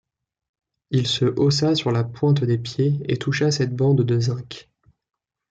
Il se haussa sur la pointe des pieds et toucha cette bande de zinc.